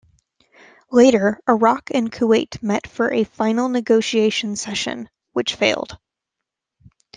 Later, Iraq and Kuwait met for a final negotiation session, which failed.